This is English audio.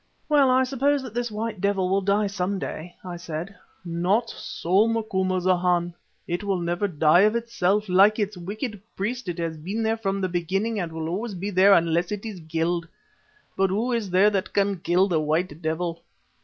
"Well, I suppose that this White Devil will die some day," I said. "Not so, Macumazana. It will never die of itself. Like its wicked Priest, it has been there from the beginning and will always be there unless it is killed. But who is there that can kill the White Devil?"